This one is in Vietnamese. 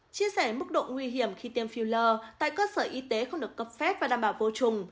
chia sẻ mức độ nguy hiểm khi tiêm filler tại cơ sở y tế không được cấp phép và đảm bảo vô trùng